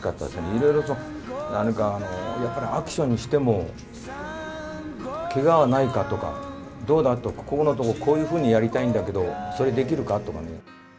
いろいろと何かやっぱりアクションにしても、けがはないか？とか、どうだ？と、ここのところこういうふうにやりたいんだけど、それ、できるか？とかね。